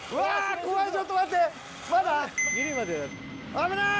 危ない！